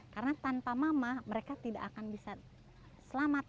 karena tanpa mama mereka tidak akan bisa selamat